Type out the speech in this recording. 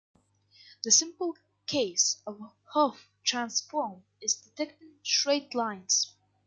The simplest case of Hough transform is detecting straight lines.